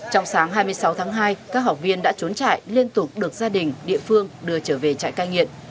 trong sáng hai mươi sáu tháng hai các học viên đã trốn chạy liên tục được gia đình địa phương đưa trở về trại cai nghiện